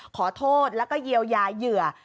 ขอโทษแล้วก็เยียวยาเหยื่อ